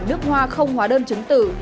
nước hoa không hóa đơn chứng tử